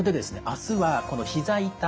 あすはひざ痛